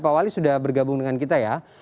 pak wali sudah bergabung dengan kita ya